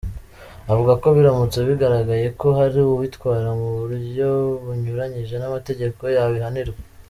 Avuga ko biramutse bigaragaye ko hari uwitwara mu buryo bunyuranyije n’amategeko, yabihanirwa.